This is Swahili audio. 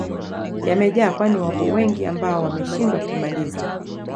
yamejaa kwani wapo wengi ambao wameshindwa kumaliza